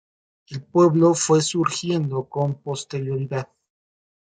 El pueblo fue surgiendo con posterioridad.